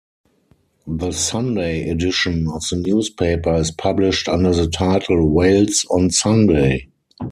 The Sunday edition of the newspaper is published under the title Wales on Sunday.